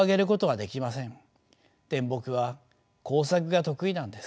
でも僕は工作が得意なんです。